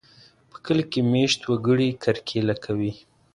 په کلي کې مېشت وګړي کرکېله کوي.